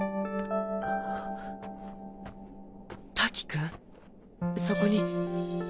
瀧くんそこに？